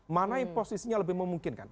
mana yang posisinya lebih memungkinkan